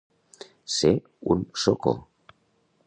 Ser un socó.